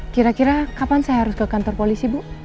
kira kira kapan saya harus ke kantor polisi bu